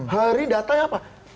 hari datanya apa